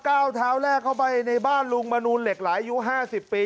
ก้าวเท้าแรกเข้าไปในบ้านลุงมนูนเหล็กหลายอายุ๕๐ปี